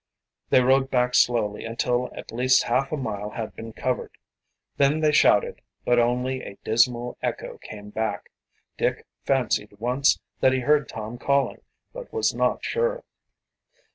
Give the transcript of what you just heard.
They rode back slowly until at least half a mile had been covered. Then they shouted, but only a dismal echo came back. Dick fancied once that he heard Tom calling, but was not sure.